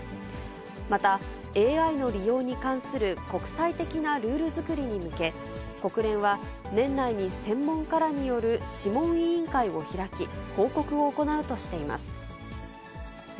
また、ＡＩの利用に関する国際的なルール作りに向け、国連は年内に専門家らによる諮問委員会を開き、報告を行うとしています。